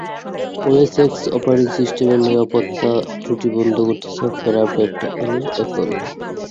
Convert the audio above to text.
OS X operating সিস্টেমের নিরাপত্তা ত্রুটি বন্ধ করতে সফটওয়্যার আপডেট আনল অ্যাপল।